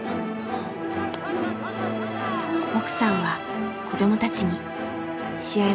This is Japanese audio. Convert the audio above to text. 奥さんは子供たちに試合